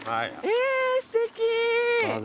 えすてき。